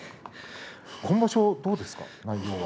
今場所はどうですか。